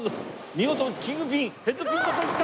見事キングピンヘッドピンのとこにいった！